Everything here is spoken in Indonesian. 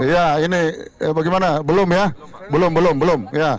ya ini bagaimana belum ya belum belum belum